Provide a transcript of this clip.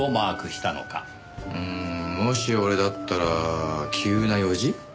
うーんもし俺だったら急な用事？